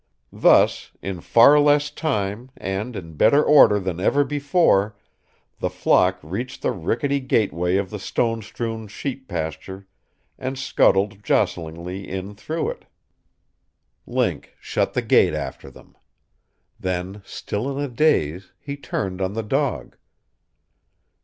Thus, in far less time and in better order than ever before, the flock reached the rickety gateway of the stone strewn sheep pasture and scuttled jostlingly in through it. Link shut the gate after them. Then, still in a daze, he turned on the dog.